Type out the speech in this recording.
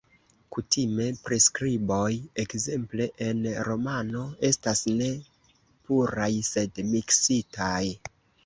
Kutime priskriboj, ekzemple en romano, estas ne puraj sed miksitaj.